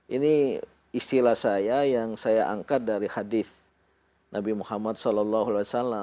ini istilah saya yang saya angkat dari hadith nabi muhammad saw